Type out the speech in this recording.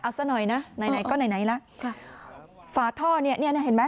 เอาซะหน่อยนะไหนไหนก็ไหนไหนล่ะค่ะฝาท่อเนี้ยเนี้ยน่ะเห็นไหม